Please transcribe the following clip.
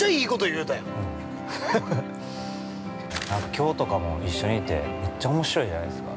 ◆きょうとかも、一緒にいてめっちゃおもしろいじゃないですか。